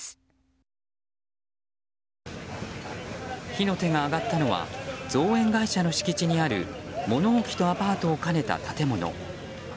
火の手が上がったのは造園会社の敷地にある物置とアパートを兼ねた建物。